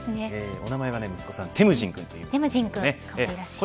お名前は息子さんテムジン君といいます。